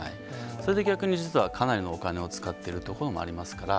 それで逆に実はかなりのお金を使っているところもありますから。